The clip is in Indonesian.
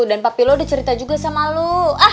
dan papi lo udah cerita juga sama lo